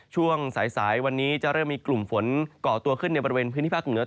ช่วงสายวันนี้จะเริ่มมีกลุ่มฝนก่อตัวขึ้นในบริเวณพื้นที่ภาคเหนือ